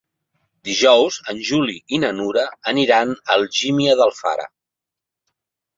Dijous en Juli i na Nura aniran a Algímia d'Alfara.